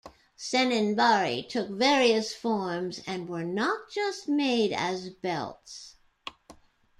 Senninbari took various forms and were not just made as belts.